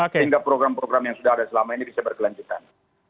sehingga program program yang sudah ada selama ini bisa berkelanjutan